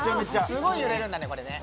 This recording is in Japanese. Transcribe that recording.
すごい揺れるんだね。